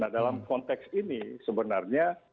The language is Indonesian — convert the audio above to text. nah dalam konteks ini sebenarnya